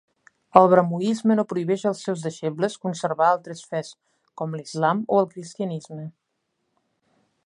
El brahmoisme no prohibeix als seus deixebles conservar altres fes com l'Islam o el Cristianisme.